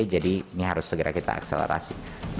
jadi ini harus segera kita akselerasi